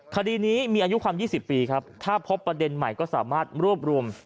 คดีนี้มีอายุความ๒๐ปีครับถ้าพบประเด็นใหม่ก็สามารถรวบรวม